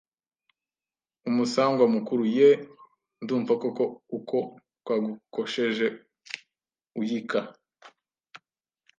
Umusangwa mukuru: Yeee! Ndumva koko uko twagukosheje uyika